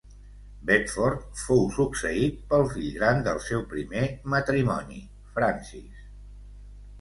Bedford fou succeït pel fill gran del seu primer matrimoni, Francis.